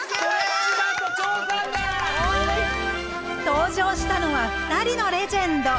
登場したのは２人のレジェンド。